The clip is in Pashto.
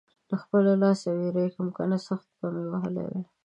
له خپله لاسه وېرېږم؛ که نه سخت به مې وهلی وې.